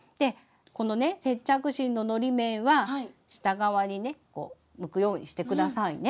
このね接着芯ののり面は下側にね向くようにして下さいね。